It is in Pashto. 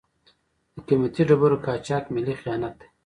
د قیمتي ډبرو قاچاق ملي خیانت دی.